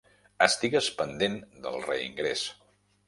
Estigues pendent del reingrés.